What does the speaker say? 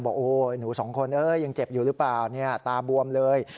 บอกโอ้หนูสองคนยังเจ็บอยู่หรือเปล่าตาบวมเลย